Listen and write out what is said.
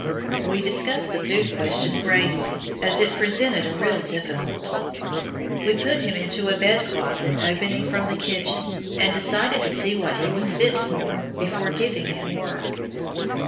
We discussed the food question gravely, as it presented a real difficulty. We put him into a bed closet opening from the kitchen, and decided to see what he was fit for before giving him work.